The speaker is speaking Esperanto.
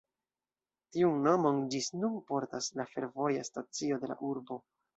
Tiun nomon ĝis nun portas la fervoja stacio de la urbo.